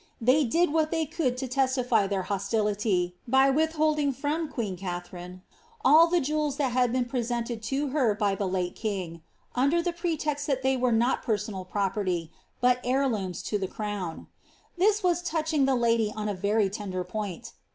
Thev did what they could to testify ihoir hostility, by withholding from queen Kalhi rine all tlie jewels that had been presented to her by the late king, under the pretext that they were not personal properly, but heir looms to the crown. This was touching the lady on a very tender point.